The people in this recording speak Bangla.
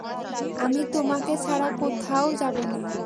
আমি তোমাকে ছাড়া কোথাও যাবো না।